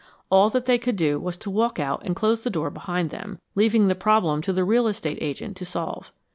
All that they could do was to walk out and close the door behind them, leaving the problem to the real estate agent to solve.